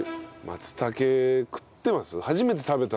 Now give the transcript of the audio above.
松茸食ってます？